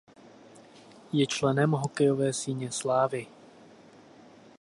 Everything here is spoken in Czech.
Je členem Hokejové síně slávy.